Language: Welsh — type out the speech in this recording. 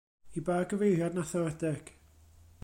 I ba gyfeiriad nath o redeg.